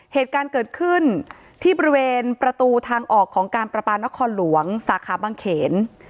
เหตุการณ์เกิดขึ้นที่บริเวณประตูทางออกของการประปานครหลวงสาขาบางเขน